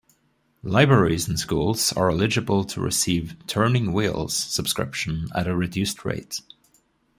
Libraries and schools are eligible to receive "Turning Wheels" subscriptions at a reduced rate.